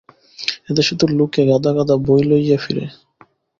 এদেশে তো লোকে গাদা গাদা বই লইয়া ফিরে।